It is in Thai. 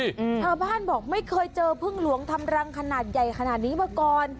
ชาวบ้านบอกไม่เคยเจอพึ่งหลวงทำรังขนาดใหญ่ขนาดนี้มาก่อน